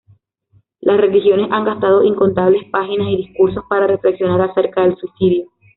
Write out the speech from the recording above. Las religiones han gastado incontables páginas y discursos para reflexionar acerca del suicidio.